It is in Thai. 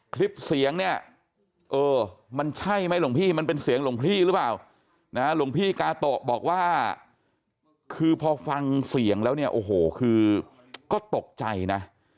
คลิปเสียงเนี่ยเออมันใช่ไหมหลวงพี่มันเป็นเสียงหลวงพี่หรือเปล่านะหลวงพี่กาโตะบอกว่าคือพอฟังเสียงแล้วเนี่ยโอ้โหคือก็ตกใจนะ